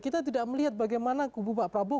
kita tidak melihat bagaimana kubu pak prabowo